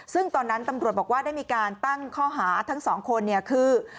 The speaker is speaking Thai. ซึ่งตอนนั้นตำรวจบอกว่าได้มีการตั้งข้อหาทั้งสองคนเนี่ยคือ